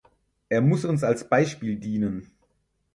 Er muss uns als Beispiel dienen.